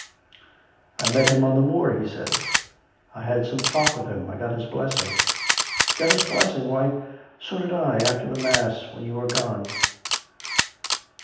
" I met him on the moor," he said. " I had some talk with him. I got his blessing." " You got his blessing ! Why, so did I, after the mass^ when you were gone."